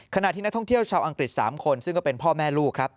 ขณะที่นักท่องเที่ยวชาวอังกฤษ๓คนซึ่งก็เป็นพ่อแม่ลูกครับ